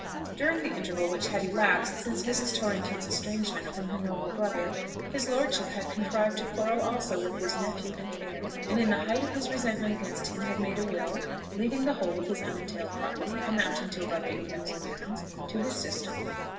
During the interval which had elapsed since Mrs. Torrington's estrangement from her noble brother, his lordship had contrived to quarrel also with his nephew and heir, and in the height of his resentment against him made a will, leaving the whole of his unentailed property, amounting to above eighty thousand pounds, to his sister.